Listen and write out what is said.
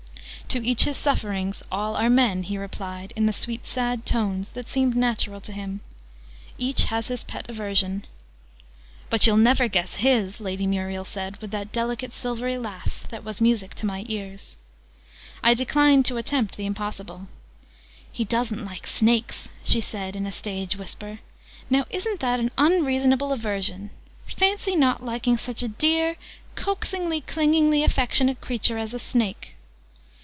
"To each his sufferings, all are men," he replied in the sweet sad tones that seemed natural to him: "each has his pet aversion." "But you'll never guess his!" Lady Muriel said, with that delicate silvery laugh that was music to my ears. I declined to attempt the impossible. "He doesn't like snakes!" she said, in a stage whisper. "Now, isn't that an unreasonable aversion? Fancy not liking such a dear, coaxingly, clingingly affectionate creature as a snake!"